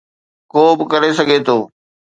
ڪو به ڪري سگهي ٿو.